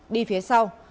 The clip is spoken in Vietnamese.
đi phía sau